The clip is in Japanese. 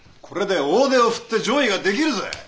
これで大手を振って攘夷ができるぞえ。